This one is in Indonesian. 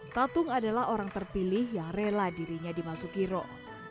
tatung adalah orang terpilih yang rela dirinya dimasuki roh